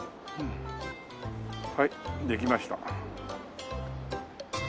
はいできました。